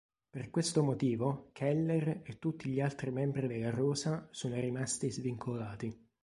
Per questo motivo, Keller e tutti gli altri membri della rosa sono rimasti svincolati.